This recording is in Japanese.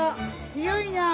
強いなあ。